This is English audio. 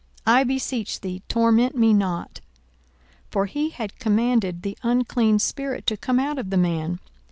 I beseech thee, torment me not. 42:008:029 (For he had commanded the unclean spirit to come out of the man.